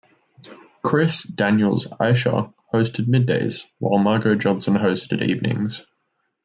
Chris "Daniels" Eicher hosted middays, while Margo Johnson hosted evenings.